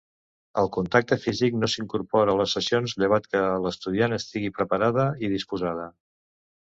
El contacte físic no s’incorpora a les sessions llevat que l'estudiant estigui preparada i disposada.